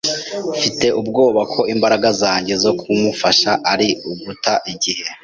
Mfite ubwoba ko imbaraga zanjye zo kumufasha ari uguta igihe.